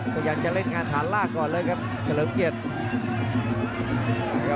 พยายามจะเล่นงานฐานล่างก่อนเลยครับเฉลิมเกียรติ